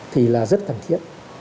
thì là rất cần thiết